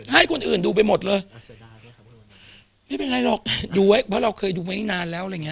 ให้คนอื่นดูไปหมดเลยครับไม่เป็นไรหรอกดูไว้เพราะเราเคยดูไว้นานแล้วอะไรอย่างเง